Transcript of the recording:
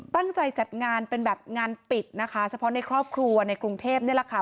จัดงานเป็นแบบงานปิดนะคะเฉพาะในครอบครัวในกรุงเทพนี่แหละค่ะ